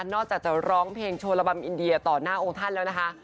อกจากจะร้องเพลงโชลบัมอินเดียต่อหน้าองค์ท่านแล้วนะคะ